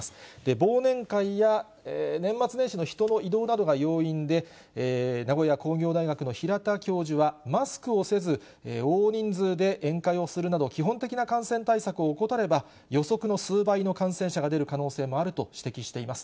忘年会や、年末年始の人の移動などが要因で、名古屋工業大学の平田教授は、マスクをせず、大人数で宴会をするなど、基本的な感染対策を怠れば、予測の数倍の感染者が出る可能性もあると指摘しています。